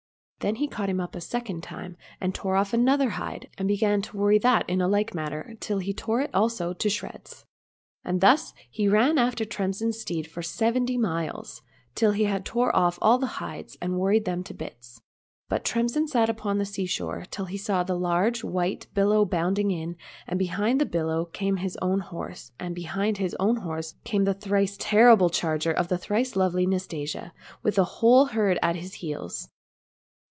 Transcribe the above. Then he caught him up a second time, and tore off another hide, and began to worry that in like manner till he had torn it also to shreds ; and thus he ran after Tremsin's steed for seventy miles, till he had torn off all the hides, and worried them to bits. But Tremsin sat upon the sea shore till he saw the large white billow bounding in, and behind the billow came his own horse, and behind his own horse came the thrice terrible charger of the thrice lovely Nastasia, with the whole herd at his heels.